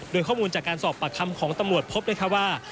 โดยข้อมูลจากการสอบปากคำของตำรวจพบนะคะว่า